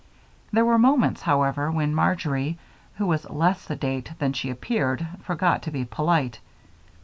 There were moments, however, when Marjory, who was less sedate than she appeared, forgot to be polite.